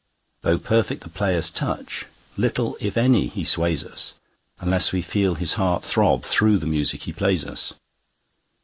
Though perfect the player's touch, little, if any, he sways us, Unless we feel his heart throb through the music he plays us.